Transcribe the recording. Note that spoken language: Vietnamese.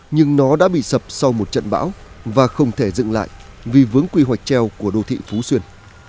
nhưng nó đã bị sập sau một trận bão và không thể dựng lại vì vướng quy hoạch treo của đô thị phú xuyên